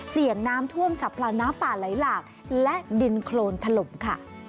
เสี่ยงน้ำท่วมฉับพลันน้ำป่าไหลหลากและดินโครนถล่มค่ะ